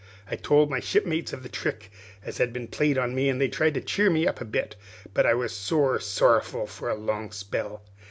I told my shipmates of the trick as had been played on me, an they tried to cheer me up a bit; but I was sore sorrowful for a long spell.